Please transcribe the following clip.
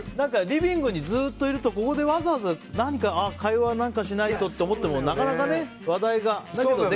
リビングにずっといるとここでわざわざ会話、何かしないと思ってもなかなか、話題がね。